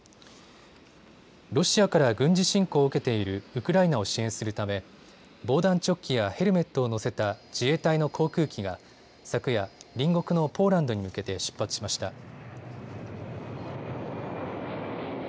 ロシアから軍事侵攻を受けているウクライナを支援するため防弾チョッキやヘルメットを載せた自衛隊の航空機が昨夜、隣国のポーランドに向けて出発しました。